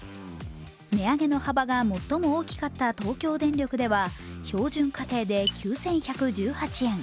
値上げの幅が最も大きかった東京電力では標準家庭で９１１８円。